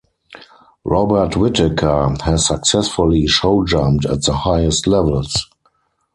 Robert Whitaker has successfully show jumped at the highest levels.